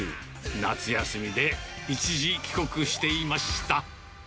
夏休みで一時帰国していました。